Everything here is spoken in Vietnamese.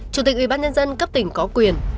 chủ tịch ubnd cấp tỉnh có quyền